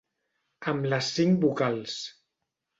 Amb les cinc vocals.